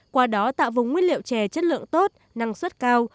qua đó tạo vùng nguyên liệu chè chất lượng tốt năng suất cao